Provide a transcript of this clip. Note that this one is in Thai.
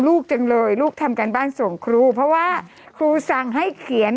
จังเลยลูกทำการบ้านส่งครูเพราะว่าครูสั่งให้เขียน